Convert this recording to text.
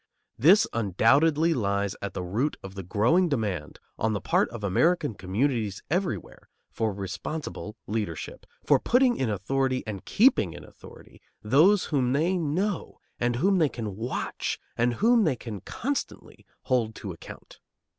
This undoubtedly lies at the root of the growing demand on the part of American communities everywhere for responsible leadership, for putting in authority and keeping in authority those whom they know and whom they can watch and whom they can constantly hold to account.